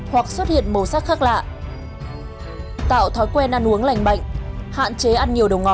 hoặc sử dụng sản phẩm không có dấu hiệu bất thường